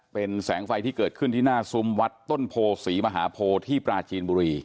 เป็นแสงไฟที่เกิดขึ้นที่หน้าซุ้มวัดต้นโพศรีมหาโพที่ปราจีนบุรี